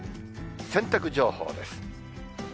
洗濯情報です。